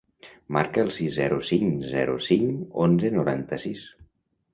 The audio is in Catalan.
Marca el sis, zero, cinc, zero, cinc, onze, noranta-sis.